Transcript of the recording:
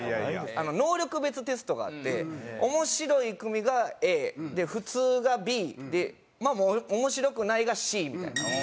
能力別テストがあって面白い組がＡで普通がＢでまあもう面白くないがＣみたいな。